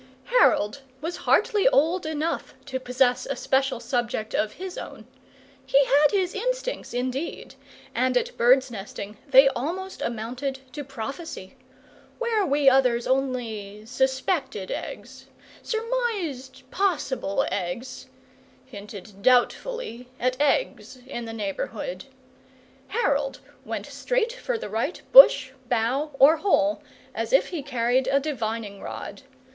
Harold was hardly old enough to possess a special subject of his own. He had his instincts, indeed, and at bird's nesting they almost amounted to prophecy. Where we others only suspected eggs, surmised possible eggs, hinted doubtfully at eggs in the neighbourhood, Harold went straight for the right bush, bough, or hole as if he carried a divining rod.